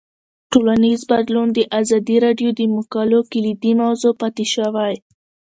ټولنیز بدلون د ازادي راډیو د مقالو کلیدي موضوع پاتې شوی.